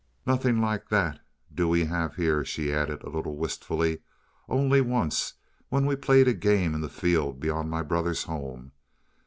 "Nothing like that do we have here," she added, a little wistfully. "Only once, when we played a game in the field beyond my brother's home.